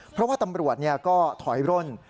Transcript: เพราะว่าตำรวจก็ถอยร่น